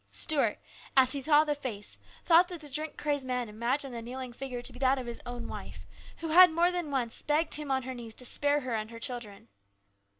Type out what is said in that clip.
Stuart, as he saw the face, thought that the drink crazed man imagined the kneeling figure to be that of his own wife, who had more than once begged him on her knees to spare her and her children.